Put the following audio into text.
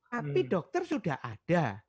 tapi dokter sudah ada